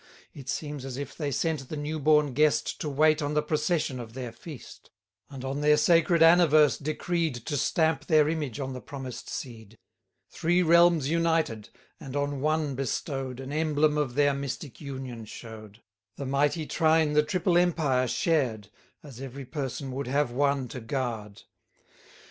It seems as if they sent the new born guest To wait on the procession of their feast; And on their sacred anniverse decreed To stamp their image on the promised seed. 30 Three realms united, and on one bestow'd, An emblem of their mystic union show'd: The Mighty Trine the triple empire shared, As every person would have one to guard.